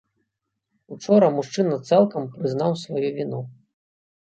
Учора мужчына цалкам прызнаў сваю віну.